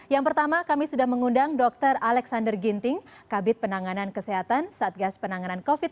yang pertama kami sudah mengundang dr alexander ginting kabit penanganan kesehatan satgas penanganan covid sembilan belas